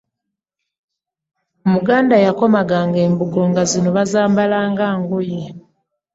omuganda yakomaganga embugo nfa zino bbazambala nga ngoye